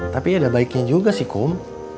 tapi ada baiknya juga sih kom